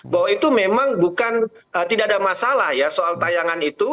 bahwa itu memang bukan tidak ada masalah ya soal tayangan itu